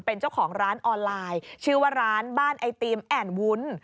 เป็นเจ้าของร้านออนไลน์ชื่อว่าร้านบ้านไอติมแอ่นวุ้น